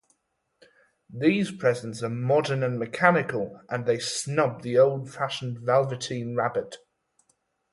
These presents are modern and mechanical, and they snub the old-fashioned velveteen rabbit.